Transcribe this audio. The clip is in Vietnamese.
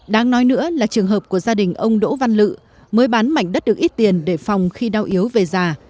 đáng nói nữa là trường hợp của gia đình ông đỗ văn lự mới bán mảnh đất được ít tiền để phòng khi đau yếu về già